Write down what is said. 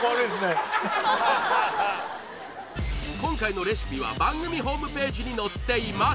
今回のレシピは番組ホームページに載っています